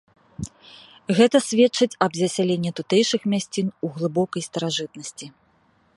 Гэта сведчыць об засяленні тутэйшых мясцін у глыбокай старажытнасці.